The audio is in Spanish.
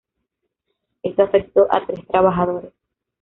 Esto afectó a tres trabajadores.